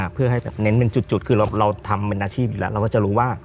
เพื่อให้แบบเน้นเป็นจุดคือเราทำเป็นอาชีพอยู่แล้วเราก็จะรู้ว่า